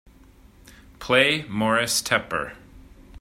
Play Moris Tepper